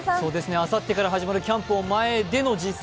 あさってから始まるキャンプを前での実戦。